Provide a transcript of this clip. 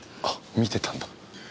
見てたんだ。